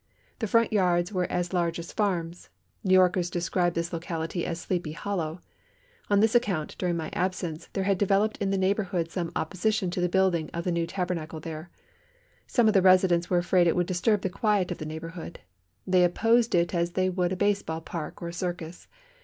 The front yards were as large as farms. New Yorkers described this locality as "Sleepy Hollow." On this account, during my absence, there had developed in the neighbourhood some opposition to the building of the new Tabernacle there. Some of the residents were afraid it would disturb the quiet of the neighbourhood. They opposed it as they would a base ball park, or a circus.